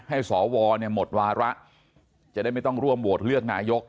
สวหมดวาระจะได้ไม่ต้องร่วมโหวตเลือกนายก